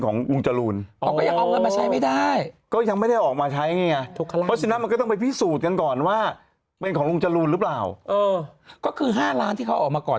คือยังไม่ได้แพ้หรอกฟ้องสารท่าน